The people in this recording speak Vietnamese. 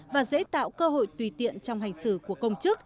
và dễ tạo cơ hội tùy tiện trong hành xử của công chức